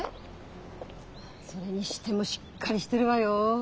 それにしてもしっかりしてるわよ。